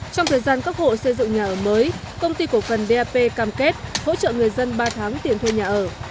trong thời gian các hộ xây dựng nhà ở mới công ty cổ phần dap cam kết hỗ trợ người dân ba tháng tiền thuê nhà ở